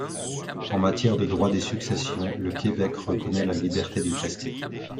En matière de droit des successions, le Québec reconnaît la liberté de tester.